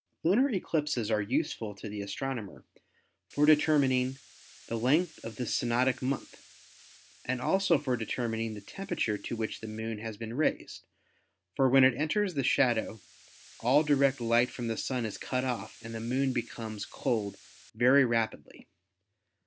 Lunar eclipses are useful to the astronomer for determining the length of the synodic month and also for determining the temperature to which the Moon has been raised, for when it enters the shadow all direct light from the Sun is cut off and the Moon becomes cold very rapidly.